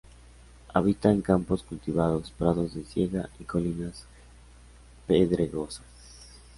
Habita en campos cultivados, prados de siega y colinas pedregosas.